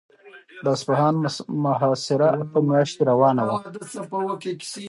د اصفهان محاصره اته میاشتې روانه وه.